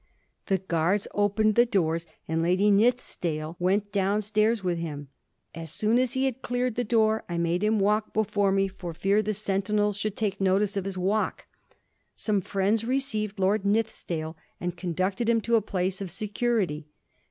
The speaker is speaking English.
The guards opened the doors, and Lady Nithisdale went down stairs with him. ^ As soon as he had cleared the door I made him walk before me for fear the sentinels Digiti zed by Google 1716. LORD NITHISDALE'S ESCAPE. 18& should take notice of his walk.' Some friends re ceived Lord Nithisdale, and conducted him to a place of security.